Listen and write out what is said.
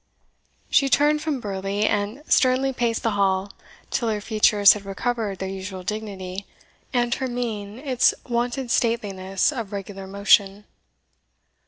She turned from Burleigh, and sternly paced the hall till her features had recovered their usual dignity, and her mien its wonted stateliness of regular motion.